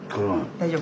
大丈夫？